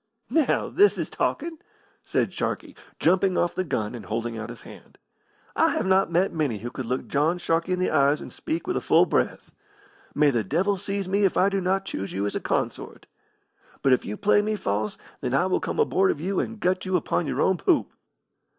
"Now, this is talking!" said Sharkey, jumping off the gun and holding out his hand. "I have not met many who could look John Sharkey in the eyes and speak with a full breath. May the devil seize me if I do not choose you as a consort! But if you play me false, then I will come aboard of you and gut you upon your own poop."